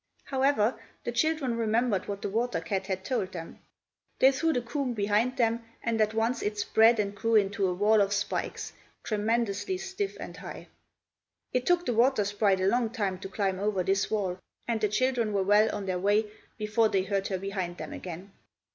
However, the children remembered what the water cat had told them. They threw the comb behind them, and at once it spread and grew into a wall of spikes, tremendously stiff and high. It took the water sprite a long time to climb over this wall, and the children were well on their way before they heard her behind them again.